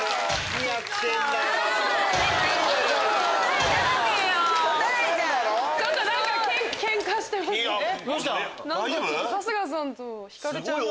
何か春日さんとひかるちゃんが。